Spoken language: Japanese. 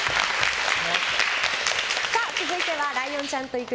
続いてはライオンちゃんと行く！